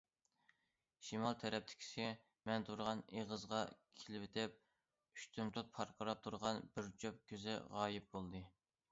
شىمال تەرەپتىكىسى مەن تۇرغان ئېغىزغا كېلىۋېتىپ، ئۇشتۇمتۇت پارقىراپ تۇرغان بىر جۈپ كۆزى غايىب بولدى.